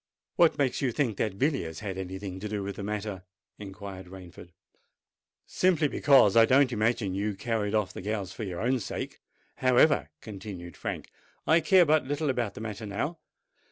"What makes you think that Villiers had any thing to do with the matter?" inquired Rainford. "Simply because I don't imagine you carried off the gals for your own sake. However," continued Frank, "I care but little about the matter now.